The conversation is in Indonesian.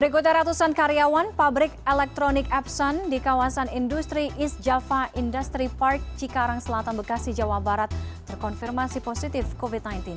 berikutnya ratusan karyawan pabrik elektronik epson di kawasan industri east java industry park cikarang selatan bekasi jawa barat terkonfirmasi positif covid sembilan belas